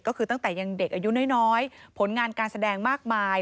ก็คือตั้งแต่ยังเด็กอายุน้อยผลงานการแสดงมากมาย